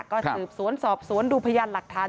ก็สืบสวนสอบสวนดูพยานหลักฐาน